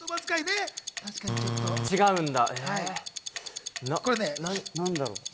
違うんだ。